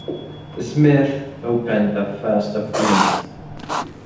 Smith opened the first of these.